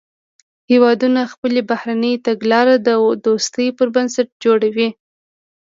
هیوادونه خپله بهرنۍ تګلاره د دوستۍ پر بنسټ جوړوي